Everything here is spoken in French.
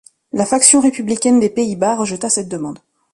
La faction républicaine des Pays-Bas rejeta cette demande.